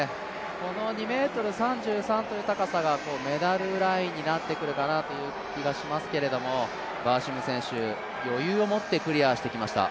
この２ｍ３３という高さはメダルラインになってくるかなという気がしますけれども、バーシム選手、余裕を持ってクリアしてきました。